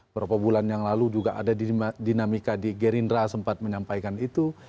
berapa bulan yang lalu juga ada dinamika di gerindra sempat menyampaikan itu